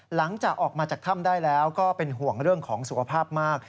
หลังจากออกมาจากถ้ำได้แล้วก็เป็นห่วงเรื่องของสุขภาพมาก